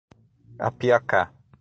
Apiacá